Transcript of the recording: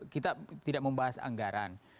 kita tidak membahas anggaran